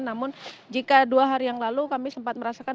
namun jika dua hari yang lalu kami sempat merasakan